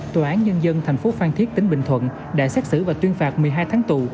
tòa án nhân dân thành phố phan thiết tỉnh bình thuận đã xét xử và tuyên phạt một mươi hai tháng tù